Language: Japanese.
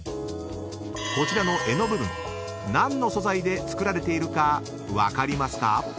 ［こちらの柄の部分何の素材で作られているか分かりますか？］